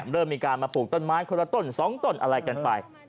เริ่มมีการมาปลูกต้นไม้คนละต้น๒ต้นอะไรกันไป